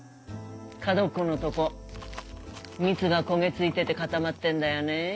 角っこのとこ蜜が焦げ付いてて固まってるんだよね。